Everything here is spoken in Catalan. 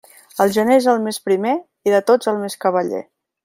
El gener és el mes primer i de tots el més cavaller.